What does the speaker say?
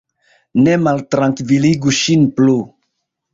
Ne maltrankviligu ŝin plu!